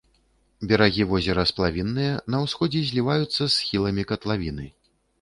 Берагі возера сплавінныя, на ўсходзе зліваюцца з схіламі катлавіны.